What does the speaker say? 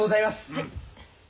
はい。